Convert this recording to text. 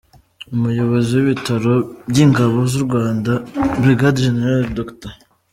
Umuyobozi w’Ibitaro by’Ingabo z’u Rwanda, Brig Gen Dr.